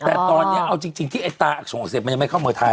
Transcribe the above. แต่ตอนนี้เอาจริงที่ไอ้ตาอักส่งอักเสบมันยังไม่เข้าเมืองไทย